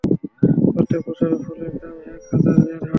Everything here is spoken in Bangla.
প্রত্যেক বৎসরের ফলের দাম এক হাজার দেরহাম।